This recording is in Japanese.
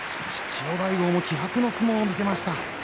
千代大豪も気迫の相撲を見せました。